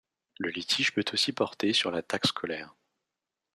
Le litige peut aussi porter sur la taxe scolaire.